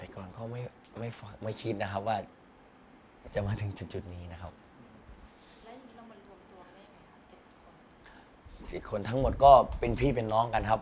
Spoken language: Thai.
ก่อนนั้นคิดได้ไหมว่าเราฝันได้ไหมครับว่าเราจะมาเป็นตัวอาชีพของตัวเองครับ